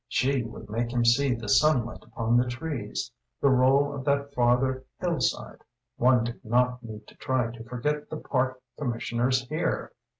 She would make him see the sunlight upon the trees, the roll of that farther hillside one did not need to try to forget the park commissioners here!